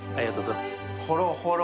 ほろほろ。